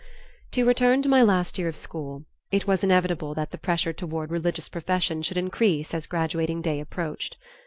To return to my last year of school, it was inevitable that the pressure toward religious profession should increase as graduating day approached.